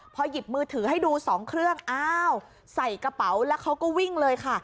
พอหยิบมือถือให้ดูสองเครื่องอ้าวใส่กระเป๋าแล้วเขาก็วิ่งเลยค่ะ